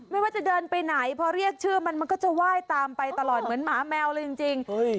ไม่ว่าจะเดินไปไหนพอเรียกชื่อมันมันก็จะไหว้ตามไปตลอดเหมือนหมาแมวเลยจริง